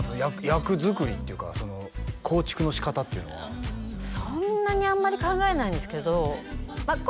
役作りっていうかその構築のしかたっていうのはそんなにあんまり考えないんですけど